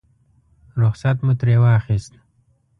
رخصت مو ترې واخیست.